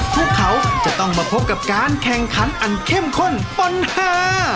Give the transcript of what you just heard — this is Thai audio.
พวกเขาจะต้องมาพบกับการแข่งขันอันเข้มข้นปัญหา